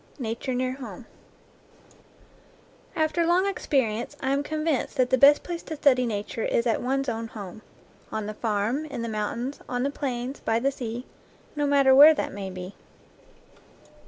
NATURE NEAR HOME After long experience I am convinced that the best place to study nature is at one's own home, on the farm, in the mountains, on the plains, by the sea, no matter where that may be.